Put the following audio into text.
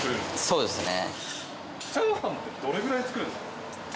そうですね。